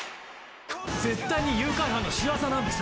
絶対に誘拐犯の仕業なんです！